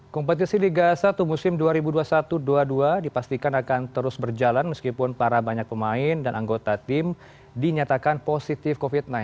kompetisi liga satu musim dua ribu dua puluh satu dua ribu dua puluh dua dipastikan akan terus berjalan meskipun para banyak pemain dan anggota tim dinyatakan positif covid sembilan belas